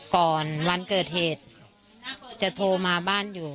ก่อนวันเกิดเหตุจะโทรมาบ้านอยู่